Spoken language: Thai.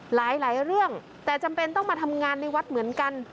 หลายเรื่องแต่จำเป็นต้องมาทำงานในวัดเหมือนกัน